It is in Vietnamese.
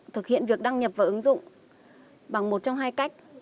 thực hiện việc đăng nhập và ứng dụng bằng một trong hai cách